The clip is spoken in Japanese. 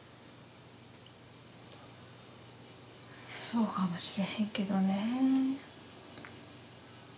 そうかもしれへんけどねえ。